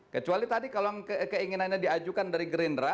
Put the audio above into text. kecuali tadi kalau keinginannya diajukan dari gerindra